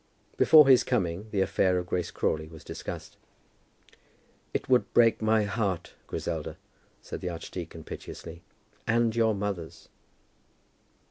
Before his coming the affair of Grace Crawley was discussed. "It would break my heart, Griselda," said the archdeacon, piteously "and your mother's."